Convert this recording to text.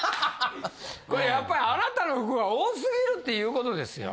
これやっぱりあなたの服が多過ぎるっていう事ですよ。